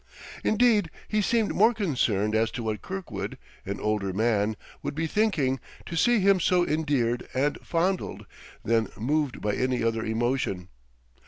Indeed he seemed more concerned as to what Kirkwood, an older man, would be thinking, to see him so endeared and fondled, than moved by any other emotion.